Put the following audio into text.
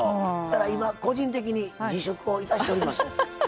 今個人的に自粛をいたしております。